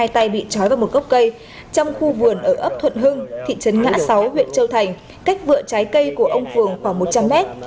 trong khu vườn ở ấp thuận hưng thị trấn ngã sáu huyện châu thành cách vựa trái cây của ông phường khoảng một trăm linh mét